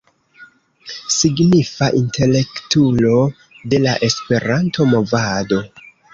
Signifa intelektulo de la Esperanto-movado.